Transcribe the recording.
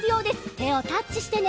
てをタッチしてね！